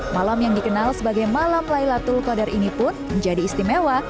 malam yang dikenal sebagai malam laylatul qadar ini pun menjadi istimewa